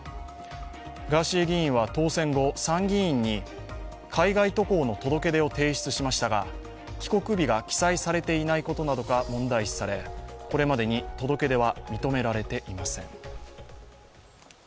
ガーシー議員は当選後、参議院に海外渡航の届け出を提出しましたが帰国日が記載されていないことなどが問題視され、これまでに届け出は認められていません。